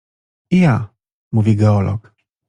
I ja — mówi geolog.